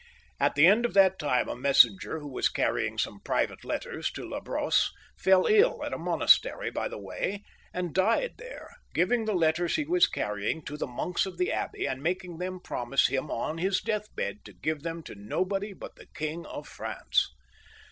At the end of that time a messenger who was carrying some private letters to La Brosse fell iU at a monastery by the way, and died there, giving the letters he was carrying to the monks of the abbey, and making them promise him on his deathbed to give them to nobody but the King of France.